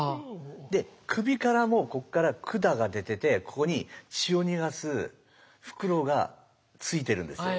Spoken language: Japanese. で首からもこっから管が出ててここに血を逃がす袋がついてるんですよ。